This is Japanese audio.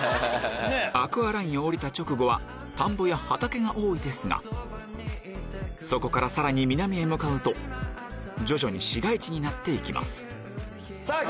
アクアラインを降りた直後は田んぼや畑が多いですがそこからさらに南へ向かうと徐々に市街地になって行きますさぁ